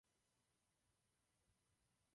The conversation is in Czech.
Čelíme obrovské výzvě.